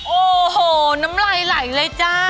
โอ้โหน้ำไหล่เลยจ้า